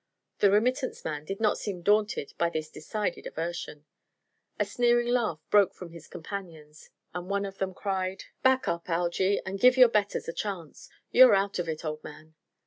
The remittance man did not seem daunted by this decided aversion. A sneering laugh broke from his companions, and one of them cried: "Back up, Algy, and give your betters a chance. You're out of it, old man."